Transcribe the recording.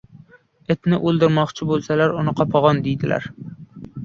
• Itni o‘ldirmoqchi bo‘lsalar uni qopag‘on deydilar.